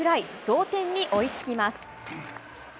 同点に追いつきます。